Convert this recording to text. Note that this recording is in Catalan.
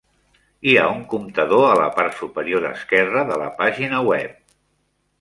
Hi ha un comptador a la part superior esquerra de la pàgina web.